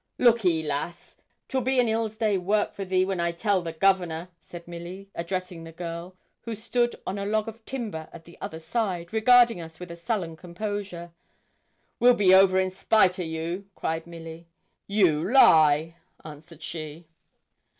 'Lookee, lass, 'twill be an ill day's work for thee when I tell the Governor,' said Milly, addressing the girl, who stood on a log of timber at the other side, regarding us with a sullen composure. 'We'll be over in spite o' you,' cried Milly. 'You lie!' answered she.